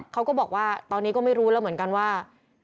เขาก็บอกว่าตอนนี้ก็ไม่รู้แล้วเหมือนกันว่า